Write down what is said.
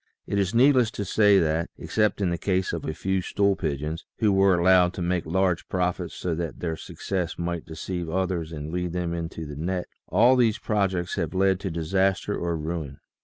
It is needless to say that, except in the case of a few stool pigeons, who were allowed to make large profits so that their success might deceive others and lead them into the net, all these projects have led to disaster or ruin.